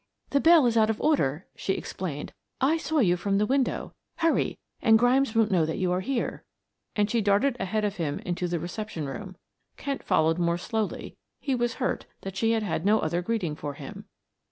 "The bell is out of order," she explained. "I saw you from the window. Hurry, and Grimes won't know that you are here," and she darted ahead of him into the reception room. Kent followed more slowly; he was hurt that she had had no other greeting for him.